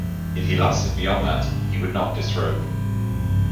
If he lasted beyond that, he would not disrobe.